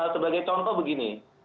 sebagai contoh begini